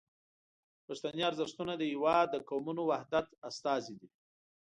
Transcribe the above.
پښتني ارزښتونه د هیواد د قومونو وحدت استازي دي.